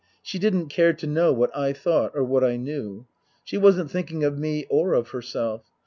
She didn't care to know what I thought or whaj: I knew. She wasn't thinking of me or of herself.